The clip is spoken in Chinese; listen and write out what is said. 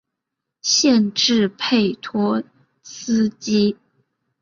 县治佩托斯基。